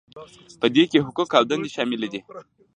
په دې کې حقوق او دندې شاملې دي.